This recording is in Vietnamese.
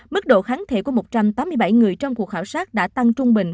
mức độ kháng thể của một trăm tám mươi bảy người trong cuộc khảo sát đã tăng trung bình